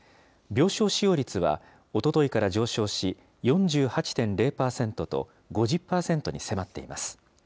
病床使用率は、おとといから上昇し、４８．０％と、５０％に迫っています。